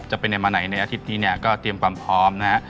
จะเป็นอย่างไหนในอาทิบนี้ก็เตรียมความพร้อมนะฮะ